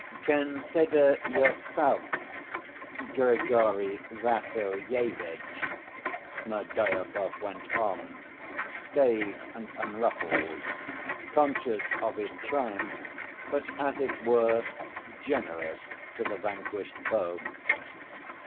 "Consider yourself, Grigory Vassilyevitch," Smerdyakov went on, staid and unruffled, conscious of his triumph, but, as it were, generous to the vanquished foe.